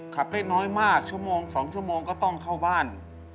ขับได้น้อยมากชั่วโมง๒ชั่วโมงก็ต้องเข้าบ้าน